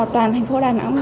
toàn thành phố đà nẵng